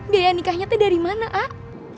biaya nikahnya tuh dari mana ah